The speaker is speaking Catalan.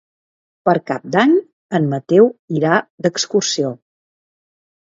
Per Cap d'Any en Mateu irà d'excursió.